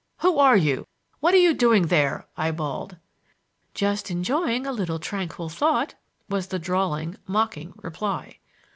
"Who are you? What are you doing there?" I bawled. "Just enjoying a little tranquil thought!" was the drawling, mocking reply.